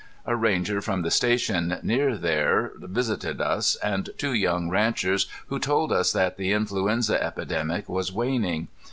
A ranger from the station near there visited us, and two young ranchers, who told us that the influenza epidemic was waning.